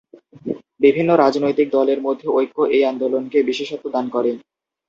বিভিন্ন রাজনৈতিক দলের মধ্যে ঐক্য এই আন্দোলনকে বিশেষত্ব দান করে।